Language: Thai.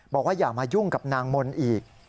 อย่ามายุ่งกับนางมนต์อีก